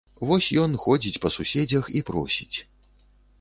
Вось ён ходзіць па суседзях і просіць.